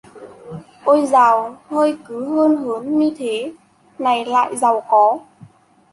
Ôi dào hơi cứ hơn hớn như thế này lại giàu có